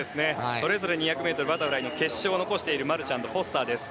それぞれ２００ｍバタフライの決勝を残しているマルシャンとフォスターです。